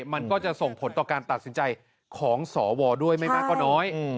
มันก็จะส่งผลต่อการตัดสินใจของสวด้วยไม่มากก็น้อย